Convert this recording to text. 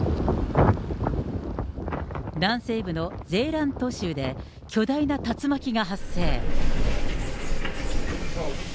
南西部のゼーラント州で巨大な竜巻が発生。